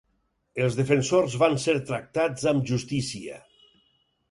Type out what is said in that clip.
Els defensors van ser tractats amb justícia.